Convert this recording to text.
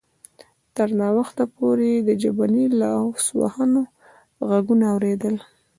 تر ناوخته پورې یې د ژبني لاسوهنو غږونه اوریدل